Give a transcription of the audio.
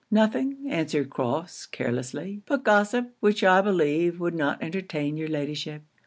'Nothing,' answered Crofts, carelessly, 'but gossip, which I believe would not entertain your Ladyship.'